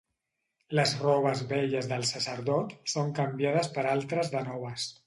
Les robes velles del sacerdot són canviades per altres de noves.